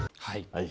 はい！